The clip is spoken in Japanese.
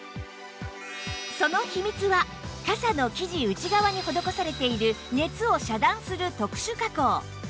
その秘密は傘の生地内側に施されている熱を遮断する特殊加工